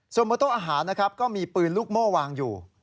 ส่วนบนโต๊ะอาหารนะครับก็มีปืนลูกโม่วางอยู่